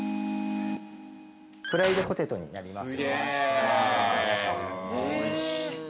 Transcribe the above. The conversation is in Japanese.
「プライドポテト」になります。